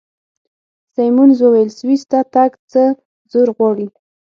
سیمونز وویل: سویس ته تګ څه زور غواړي؟